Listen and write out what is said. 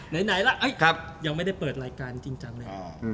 ไหนล่ะยังไม่ได้เปิดรายการจริงจังเลย